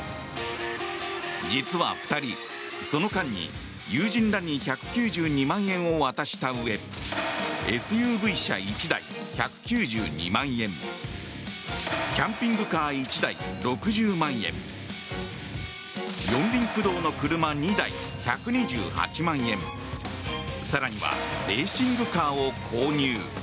実は２人、その間に友人らに１９２万円を渡したうえＳＵＶ車１台、１９２万円キャンピングカー１台、６０万円四輪駆動の車２台、１２８万円更にはレーシングカーを購入。